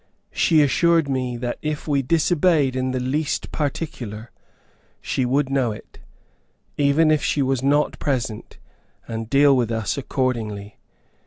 She assured me that if we disobeyed in the least particular, she would know it, even if she was not present, and deal with us accordingly.